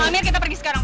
amir kita pergi sekarang